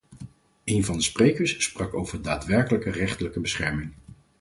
Een van de sprekers sprak over daadwerkelijke rechterlijke bescherming.